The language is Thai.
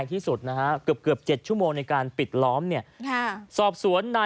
ออกจากทอดลงไปทางแม่น้ำ